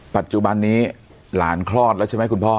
ปัจจุบันนี้หลานคลอดแล้วใช่ไหมคุณพ่อ